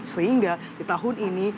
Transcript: sehingga di tahun ini